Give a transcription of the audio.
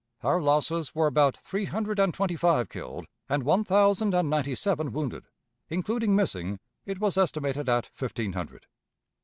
Our losses were about three hundred and twenty five killed and one thousand and ninety seven wounded; including missing, it was estimated at fifteen hundred.